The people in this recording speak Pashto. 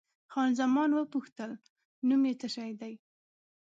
خان زمان وپوښتل، نوم یې څه شی دی؟